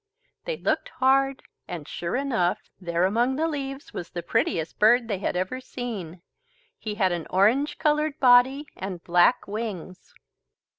They looked hard and, sure enough, there among the leaves was the prettiest bird they had ever seen. He had an orange coloured body and black wings.